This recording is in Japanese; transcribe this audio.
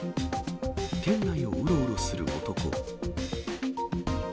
店内をうろうろする男。